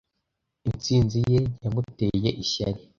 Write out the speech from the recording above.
Intsinzi ye yamuteye ishyari.